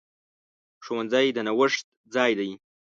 ښوونځی د نوښت ځای دی.